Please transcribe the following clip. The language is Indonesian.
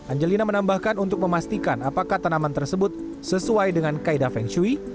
angelina menambahkan untuk memastikan apakah tanaman tersebut sesuai dengan kaida feng shui